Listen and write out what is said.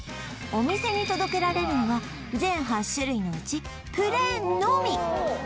お店に届けられるのは全８種類のうちプレーンのみ！